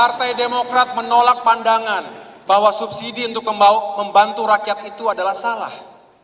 partai demokrat menolak pandangan bahwa subsidi untuk membantu rakyat itu adalah salah